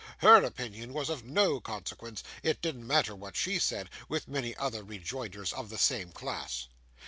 HER opinion was of no consequence, it didn't matter what SHE said, with many other rejoinders of the same class.